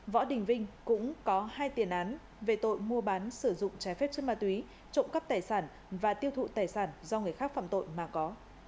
võ đình vinh cũng có hai tiền án về tội mua bán sử dụng trái phép chất ma túy trộm cắp tài sản và tiêu thụ tài sản do người khác phạm tội mà có